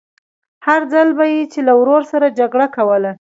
هر ځل به يې چې له ورور سره جګړه کوله.